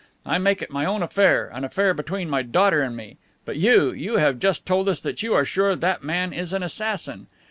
I make it my own affair, an affair between my daughter and me. But you, you have just told us that you are sure that man is an assassin.